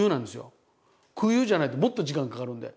空輸じゃないともっと時間かかるんで。